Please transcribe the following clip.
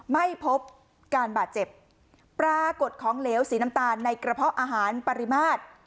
ไม่พบการบาดเจ็บปรากฏของเหลวสีน้ำตาลในกระเพาะอาหารปริมาตร